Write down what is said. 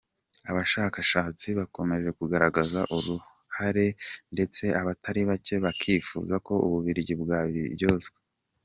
Abashakashatsi bakomeje kugaragaza uru ruhare ndetse abatari bake bakifuza ko u Bubiligi bwabiryozwa.